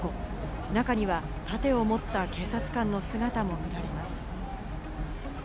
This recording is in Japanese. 中には盾を持った警察官の姿も見られます。